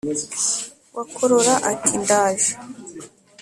wakorora ati: ndaje